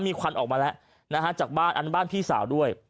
มีควันออกมาแล้วนะฮะจากบ้านอันบ้านพี่สาวด้วย